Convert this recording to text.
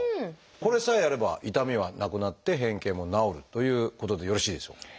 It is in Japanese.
これさえやれば痛みはなくなって変形も治るということでよろしいでしょうか？